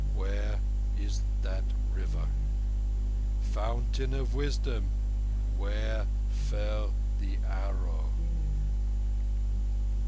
"Where is that River? Fountain of Wisdom, where fell the arrow?"